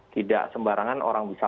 tidak sembarangan orang bisa